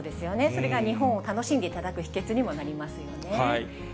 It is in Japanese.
それが日本を楽しんでいただく秘けつにもなりますよね。